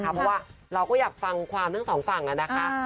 เพราะว่าเราก็อยากฟังความทั้งสองฝั่งนะคะ